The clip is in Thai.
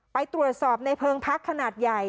ไปตรวจสอบในเพิงพักขนาดใหญ่